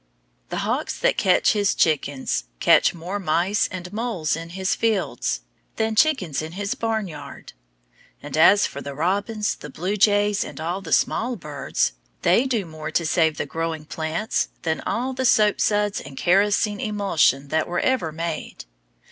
The hawks that catch his chickens catch more mice and moles in his fields, than chickens in his barn yard. And as for the robins, the blue jays, and all the small birds, they do more to save the growing plants, than all the soap suds and kerosene emulsion that were ever made.